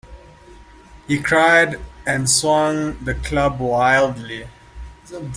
He cried, and swung the club wildly.